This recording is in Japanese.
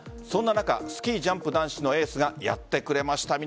そんな中、スキージャンプ男子のエースがやってくれました。